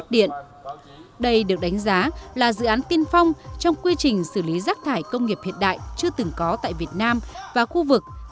đây được đánh giá là dự án tiên phong trong quy trình xử lý rác thải công nghiệp hiện đại chưa từng có tại việt nam và khu vực